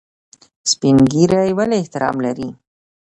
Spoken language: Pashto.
سپین ږیری ولې احترام لري؟